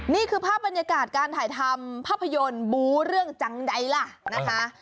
นี่คือภาพบรรยากาศการถ่ายทำภาพยนตร์บูเรื่องจังใดล่ะนะคะ